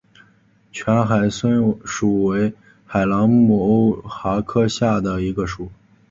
全海笋属为海螂目鸥蛤科下的一个属。